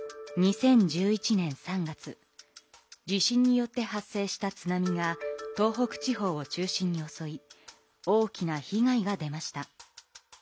地震によって発生した津波が東北地方を中心におそい大きな被害が出ました。